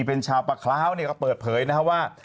เป็นชาวประคล้าวก็เปิดเผยนะครับว่า